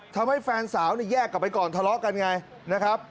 ทำให้แฟนสาวแยกกลับไปก่อนทะเลาะกันไงนะครับ